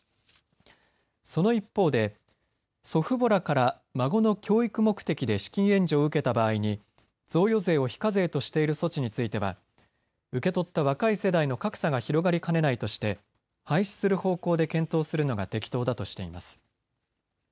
その一方で祖父母らから孫の教育目的で資金援助を受けた場合に贈与税を非課税としている措置については受け取った若い世代の格差が広がりかねないとして廃止する方向で検討するのが適当だとしています。